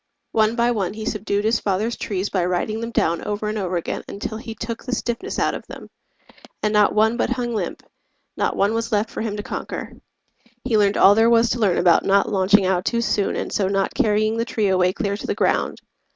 One by one he subdued his father's trees By riding them down over and over again Until he took the stiffness out of them, And not one but hung limp, not one was left For him to conquer. He learned all there was To learn about not launching out too soon And so not carrying the tree away Clear to the ground.